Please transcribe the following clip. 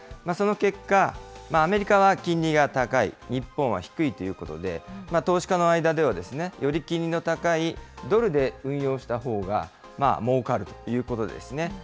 その結果、アメリカは金利が高い、日本は低いということで、投資家の間では、より金利の高いドルで運用したほうが、もうかるということですね。